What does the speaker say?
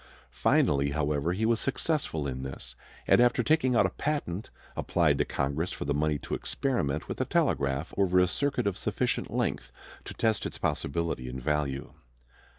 Finally, however, he was successful in this, and after taking out a patent applied to Congress for money to experiment with the telegraph over a circuit of sufficient length to test its possibility and value.